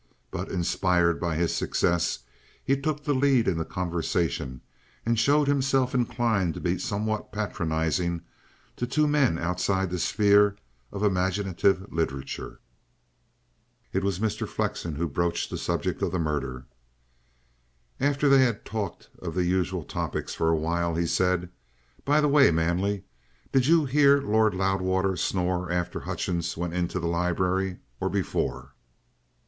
But, inspired by this success, he took the lead in the conversation, and showed himself inclined to be somewhat patronizing to two men outside the sphere of imaginative literature. It was Mr. Flexen who broached the subject of the murder. After they had talked of the usual topics for a while, he said: "By the way, Manley, did you hear Lord Loudwater snore after Hutchings went into the library, or before?"